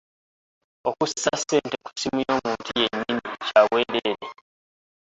Okussa ssente ku ssimu y'omuntu yennyini kya bwereere.